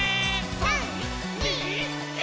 ３、２、１。